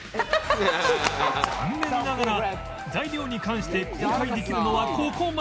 残念ながら材料に関して公開できるのはここまで